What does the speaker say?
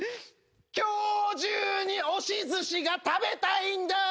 今日中に押しずしが食べたいんだ！